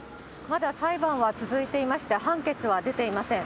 まだ裁判は続いていまして、判決は出ていません。